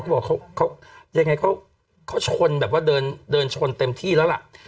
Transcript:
เหยียนไงเขาชนเดินชนเต็มที่แล้วล่ะ